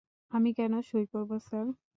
আমি কেন সঁই করব, স্যার?